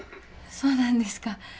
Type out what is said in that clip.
そうなんですか。